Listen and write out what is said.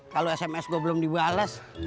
kalau sms gue belum dibalas